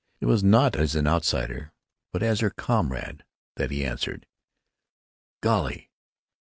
It was not as an outsider, but as her comrade that he answered: "Golly!